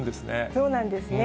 そうなんですね。